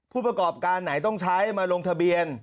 ผู้ประกอบการไหนต้องใช้มาลงทะเบียน